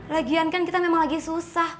lagian kan kita memang lagi susah